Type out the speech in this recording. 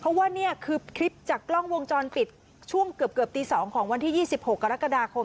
เพราะว่านี่คือคลิปจากกล้องวงจรปิดช่วงเกือบตี๒ของวันที่๒๖กรกฎาคม